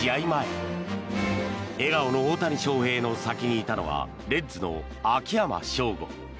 前笑顔の大谷翔平の先にいたのはレッズの秋山翔吾。